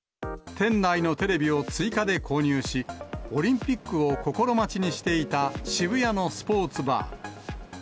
店内のテレビを追加で購入し、オリンピックを心待ちにしていた渋谷のスポーツバー。